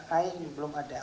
lain belum ada